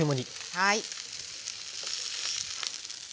はい。